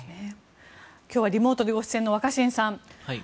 今日はリモートでご出演の若新さん。